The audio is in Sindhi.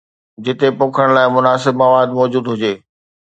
جتي پوکڻ لاءِ مناسب مواد موجود هجي.